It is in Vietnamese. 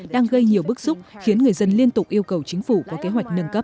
đang gây nhiều bức xúc khiến người dân liên tục yêu cầu chính phủ có kế hoạch nâng cấp